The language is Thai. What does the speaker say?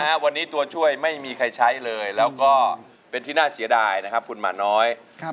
วันนี้ตัวช่วยไม่มีใครใช้เลยแล้วก็เป็นที่น่าเสียดายนะครับคุณหมาน้อยครับ